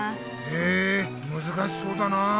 へえむずかしそうだなあ。